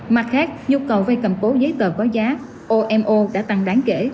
mặt khác nhu cầu vay cầm cố giấy tờ có giá omo đã tăng đáng kể